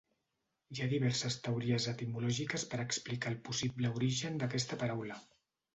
Hi ha diverses teories etimològiques per explicar el possible origen d'aquesta paraula.